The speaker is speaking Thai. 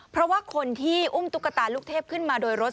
เพราะว่าคนที่อุ้มตุ๊กตาลูกเทพขึ้นมาโดยรถ